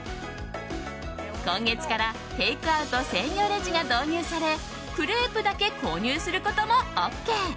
今月からテイクアウト専用レジが導入されクレープだけ購入することもＯＫ。